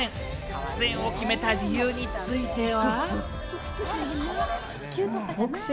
出演を決めた理由については。